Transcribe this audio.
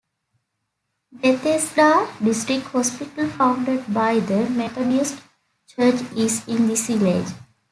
Bethesda district hospital, founded by the Methodist Church is in this village.